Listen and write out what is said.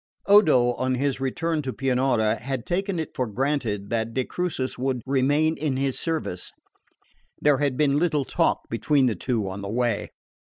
Odo, on his return to Pianura, had taken it for granted that de Crucis would remain in his service. There had been little talk between the two on the way.